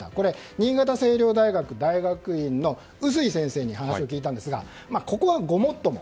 新潟青陵大学大学院の碓井先生に話を聞いたんですがここは、ごもっとも。